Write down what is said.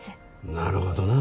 なるほどな。